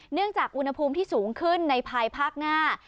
เนื่องจากอุณหภูมิที่สูงขึ้นในภายภาคหน้า